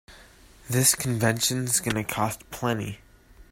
This convention's gonna cost plenty.